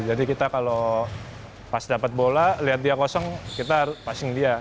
jadi kita kalau pas dapet bola liat dia kosong kita passing dia